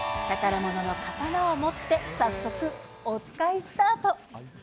宝物の刀を持って早速、おつかいスタート。